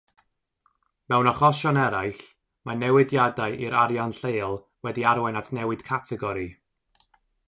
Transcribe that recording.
Mewn achosion eraill, mae newidiadau i'r arian lleol wedi arwain at newid categori.